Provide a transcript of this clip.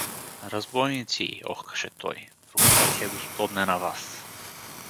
— Разбойници! — охкаше той. — Проклятие господне на вас!